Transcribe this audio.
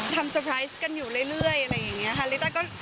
เซอร์ไพรส์กันอยู่เรื่อยอะไรอย่างนี้ค่ะ